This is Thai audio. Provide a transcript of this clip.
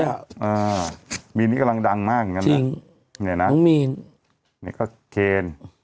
อ่ามีนกดังต่างนะจริงเนี้ยนะต้องมีนนี่ก็เครน